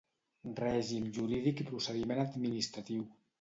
Règim jurídic i procediment administratiu.